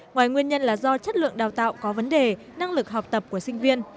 ngoài nguyên nhân là do chất lượng đào tạo có vấn đề năng lực học tập của sinh viên